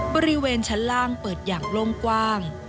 บริเวณชั้นล่างเปิดอย่างโล่งกว้าง